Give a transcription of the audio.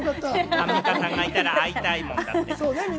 アンミカさんがいたら会いたいもん！